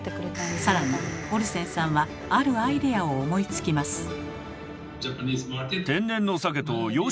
更にオルセンさんはあるアイデアを思いつきます。